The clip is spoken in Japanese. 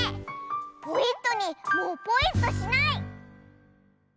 ポイットニーもうポイっとしない！